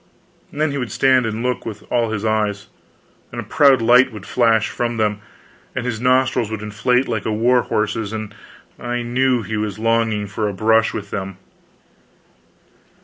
Then he would stand and look with all his eyes; and a proud light would flash from them, and his nostrils would inflate like a war horse's, and I knew he was longing for a brush with them.